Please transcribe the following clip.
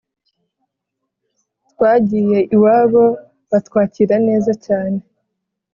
twagiye iwabo batwakira neza cyane